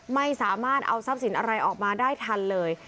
ไม่สามารถเอาทรัพย์สินอะไรออกมาได้ทันเลย